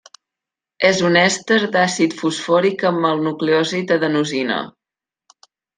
És un èster d'àcid fosfòric amb el nucleòsid adenosina.